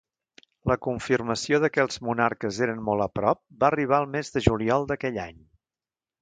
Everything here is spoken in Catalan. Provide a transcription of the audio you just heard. La confirmació de que els monarques eren molt a prop va arribar al mes de juliol d"aquell any.